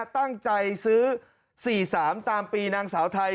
ตั้งใจซื้อ๔๓ตามปีนางสาวไทย